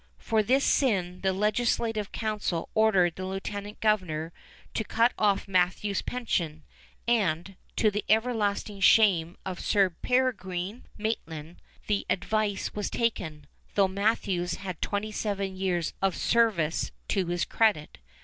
For this sin the legislative council ordered the lieutenant governor to cut off Matthews' pension, and, to the everlasting shame of Sir Peregrine Maitland, the advice was taken, though Matthews had twenty seven years of service to his credit.